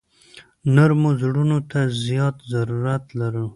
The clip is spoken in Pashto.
نرمو زړونو ته زیات ضرورت لرو.